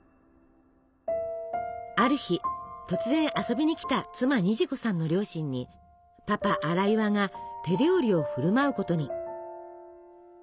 ある日突然遊びにきた妻虹子さんの両親にパパ荒岩が手料理を振る舞うことに。